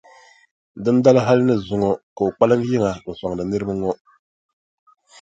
Dindali hali ni zuŋɔ ka o kpalim yiŋa n-sɔŋdi niriba ŋɔ.